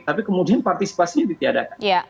tapi kemudian partisipasinya ditiadakan